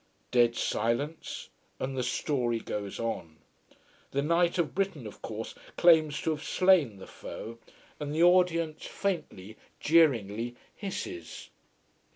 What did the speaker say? Dead silence, and the story goes on. The Knight of Britain of course claims to have slain the foe: and the audience faintly, jeeringly hisses.